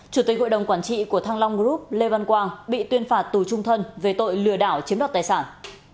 chủ tịch hội đồng quản trị của thăng long group lê văn quang bị tuyên phạt tù trung thân